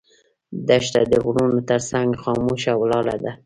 دښته د غرونو تر څنګ خاموشه ولاړه ده.